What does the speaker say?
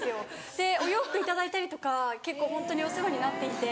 でお洋服頂いたりとか結構ホントにお世話になっていて。